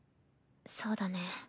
そうだね。